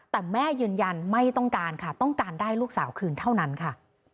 แต่แม่ยืนยันไม่ต้องการค่ะต้องการได้ลูกสาวคืนเท่านั้นค่ะ